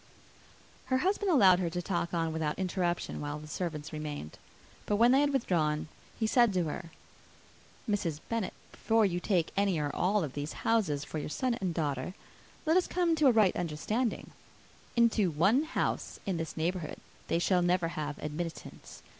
Her husband allowed her to talk on without interruption while the servants remained. But when they had withdrawn, he said to her, "Mrs. Bennet, before you take any, or all of these houses, for your son and daughter, let us come to a right understanding. Into one house in this neighbourhood they shall never have admittance.